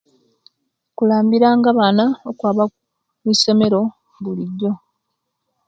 Kulambiranga abana okwaba kwisomero bulijo